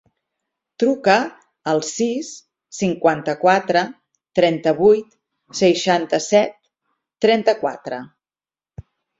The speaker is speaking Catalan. Truca al sis, cinquanta-quatre, trenta-vuit, seixanta-set, trenta-quatre.